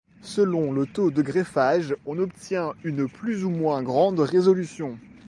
Selon le taux de greffage, on obtient une plus ou moins grande résolution.